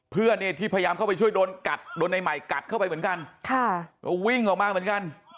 เพื่อนที่พยายามเข้าไปช่วยโดนไหมกัดเข้าไปเหมือนกันวิ่งออกมาเหมือนกัน